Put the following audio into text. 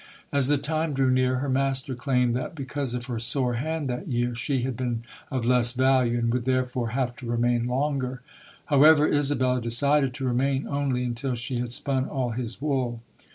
As the time drew near, her master claimed that because of her sore hand that year, she had been of less value and would therefore have to remain longer. However, Isabella decided to remain only until she had spun all his wool.